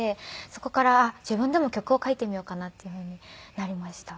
そこから自分でも曲を書いてみようかなっていうふうになりました。